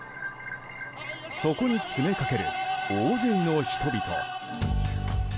そこに詰めかける大勢の人々。